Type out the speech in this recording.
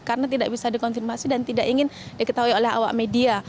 karena tidak bisa dikonfirmasi dan tidak ingin diketahui oleh awak media